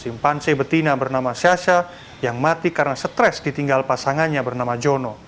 simpanse betina bernama syasha yang mati karena stres ditinggal pasangannya bernama jono